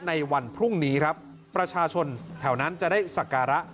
ในวันพรุ่งนี้ครับประชาชนแถวนั้นจะได้สักการะ